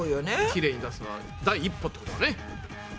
キレイに出すのは第一歩ってことだね。